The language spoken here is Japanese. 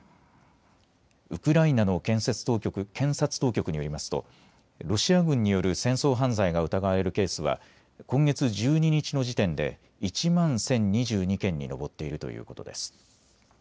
ウクライナの検察当局によりますとロシア軍による戦争犯罪が疑われるケースは今月１２日の時点で１万１０２２件に上っているということです。